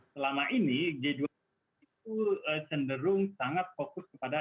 selama ini g dua puluh itu cenderung sangat fokus kepada